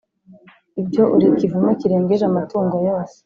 Ibyo uri ikivume kirengeje amatungo yose